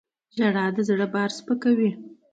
• ژړا د زړه بار سپکوي.